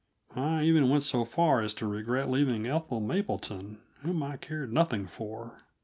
I even went so far as to regret leaving Ethel Mapleton, whom I cared nothing for.